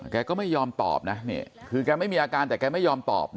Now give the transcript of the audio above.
แกก็ไม่ยอมตอบนะคือแกไม่มีอาการแต่แกไม่ยอมตอบ